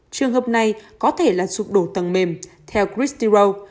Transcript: trường hợp này có thể là sụp đổ tầng mềm theo christy rowe